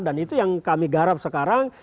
dan itu yang kami garap sekarang